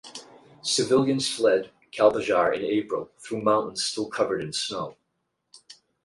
Civilians fled Kalbajar in April through mountains still covered in snow.